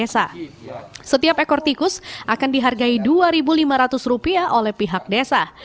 setiap ekor tikus akan dihargai rp dua lima ratus oleh pihak desa